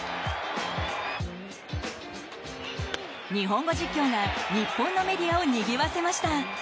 日本語実況が日本のメディアをにぎわせました。